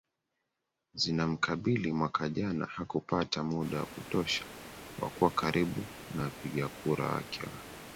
zinamkabili mwaka jana hakupata muda wa kutosha wa kuwa karibu na wapigakura wake wa